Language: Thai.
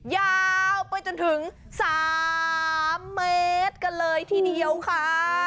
ยาวไปจนถึง๓เมตรกันเลยทีเดียวค่ะ